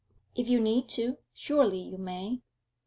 'If you need to. Surely you may?